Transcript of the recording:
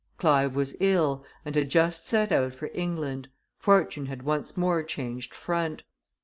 Clive was ill, and had just set out for England: fortune had once more changed front.